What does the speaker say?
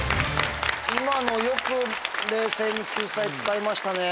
今のよく冷静に救済使いましたね。